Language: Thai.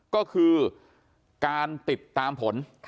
ก็คือการติดตามผล